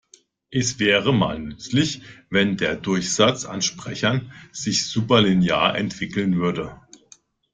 Es wäre mal nützlich, wenn der Durchsatz an Sprechern sich superlinear entwickeln würde.